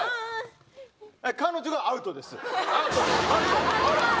彼女がアウトです。